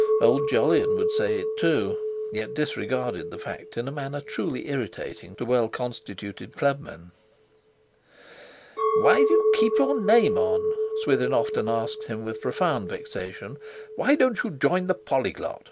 Old Jolyon would say it, too, yet disregarded the fact in a manner truly irritating to well constituted Clubmen. "Why do you keep your name on?" Swithin often asked him with profound vexation. "Why don't you join the 'Polyglot'.